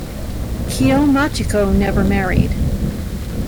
Kyo Machiko never married.